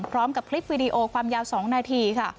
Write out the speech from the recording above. พร้อมกับคลิปวิดีโอความยาว๒นาทีค่ะ